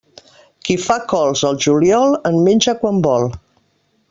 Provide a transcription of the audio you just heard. Qui fa cols al juliol, en menja quan vol.